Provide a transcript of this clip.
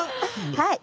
はい。